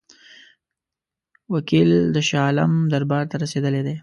وکیل د شاه عالم دربار ته رسېدلی دی.